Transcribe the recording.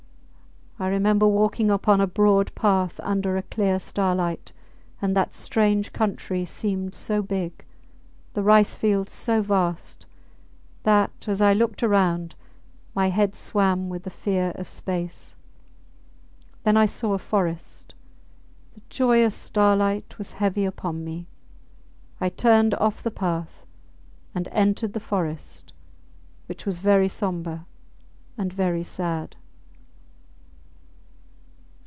I remember walking upon a broad path under a clear starlight; and that strange country seemed so big, the rice fields so vast, that, as I looked around, my head swam with the fear of space. Then I saw a forest. The joyous starlight was heavy upon me. I turned off the path and entered the forest, which was very sombre and very sad.